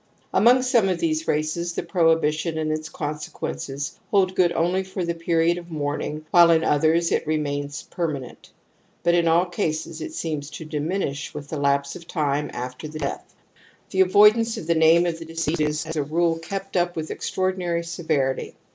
Among some of these races the prohibition and its consequences hold good only for the period of mourning while in others it remains permanent ; but in all cases it seems to diminish with the lapse of time ^fter the death. Thef avoidanceofthe name of the deceased is as a rule kept up with extraordmary severity.